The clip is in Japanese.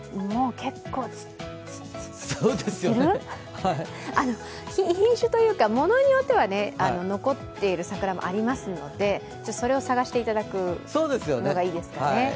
もう、結構、散ってる品種というか、ものによっては残っている桜もありますので、それを探していただくのがいいですかね。